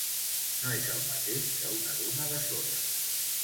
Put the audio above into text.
No és el mateix que una duna de sorra.